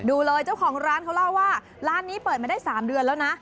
ดูเลยเจ้าของร้านเขาเล่าว่าร้านนี้เปิดมาได้๓เดือนแล้วนะ